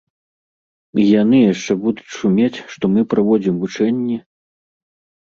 І яны яшчэ будуць шумець, што мы праводзім вучэнні.